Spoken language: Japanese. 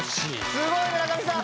スゴい村上さん。